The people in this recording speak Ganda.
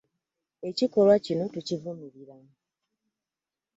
Ekikolwa kino tukivumirira.